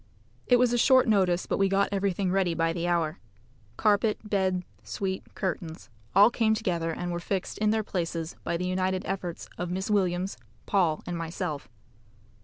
It was a short notice, but we got everything ready by the hour. Carpet, bed, suite, curtains all came together, and were fixed in their places by the united efforts of Miss Williams, Paul, and myself.